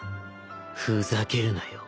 ふざけるなよ。